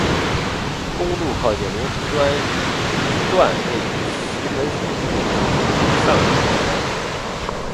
公路靠近罗浮端一段位于石门水库集水区上游南方。